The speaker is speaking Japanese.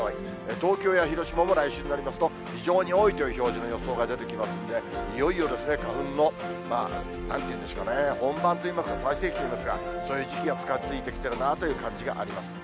東京や広島も来週になりますと、非常多いという表示の予想が出てきますんで、いよいよ花粉の、なんていうんですかね、本番といいますか、最盛期といいますか、そういう時期が近づいてきているなという感じがあります。